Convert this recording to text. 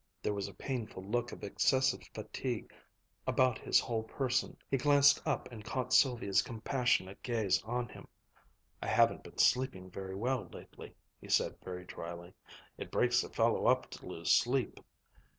There was a painful look of excessive fatigue about his whole person. He glanced up and caught Sylvia's compassionate gaze on him. "I haven't been sleeping very well lately," he said very dryly. "It breaks a fellow up to lose sleep."